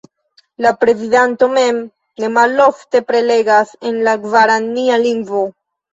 La prezidanto mem ne malofte prelegas en la gvarania lingvo.